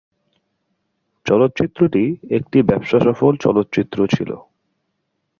চলচ্চিত্রটি একটি ব্যবসাসফল চলচ্চিত্র ছিল।